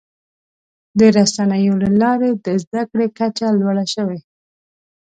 د رسنیو له لارې د زدهکړې کچه لوړه شوې.